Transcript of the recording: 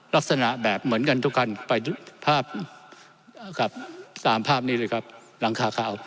ลักษณะแบบเหมือนกันทุกคันไปภาพตามภาพนี้เลยครับหลังคาขาว